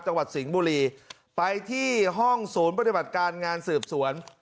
จังหวัดสิงห์บุรีไปที่ห้องศูนย์ปฏิบัติการงานสืบสวน